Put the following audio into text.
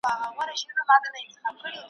نه نارې یې چا په غرو کي اورېدلې `